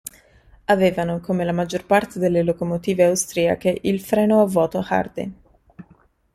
Avevano, come la maggior parte delle locomotive austriache il freno a vuoto Hardy.